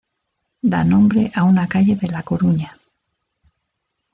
Da nombre a una calle de La Coruña.